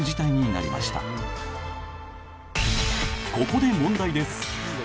ここで問題です。